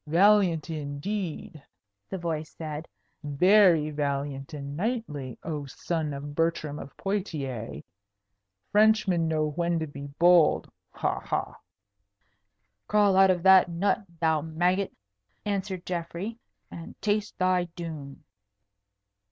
"Valiant, indeed!" the voice said. "Very valiant and knightly, oh son of Bertram of Poictiers! Frenchmen know when to be bold. Ha! ha!" "Crawl out of that nut, thou maggot," answered Geoffrey, "and taste thy doom."